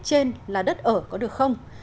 trên là đất ở có được không